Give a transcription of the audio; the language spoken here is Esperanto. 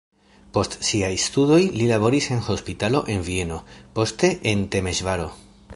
Post siaj studoj li laboris en hospitalo en Vieno, poste en Temeŝvaro.